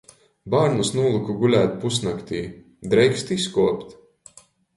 Bārnus nūlyku gulēt pusnaktī. Dreikst izkuopt?